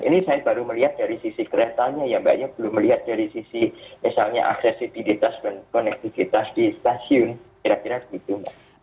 ini saya baru melihat dari sisi keretanya ya mbak ya belum melihat dari sisi misalnya aksesibilitas dan konektivitas di stasiun kira kira begitu mbak